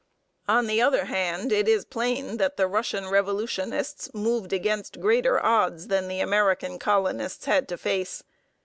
On the other hand, it is plain that the Russian revolutionists moved against greater odds than the American colonists had to face.